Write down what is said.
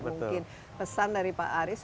pertanyaan yang paling